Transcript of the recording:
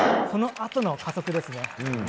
そのあとの加速ですね。